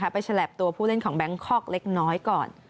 ฉลับตัวผู้เล่นของแบงคอกเล็กน้อยก่อน